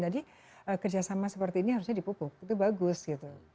jadi kerjasama seperti ini harusnya dipupuk itu bagus gitu